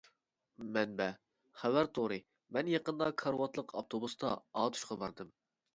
مەنبە: خەۋەر تورى مەن يېقىندا كارىۋاتلىق ئاپتوبۇستا ئاتۇشقا باردىم.